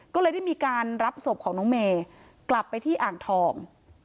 ก็เลยได้มีการรับศพของน้องเมย์กลับไปที่อ่างทอง